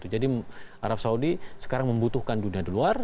jadi arab saudi sekarang membutuhkan dunia di luar